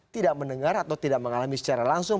tidak mendengar atau tidak mengalami secara langsung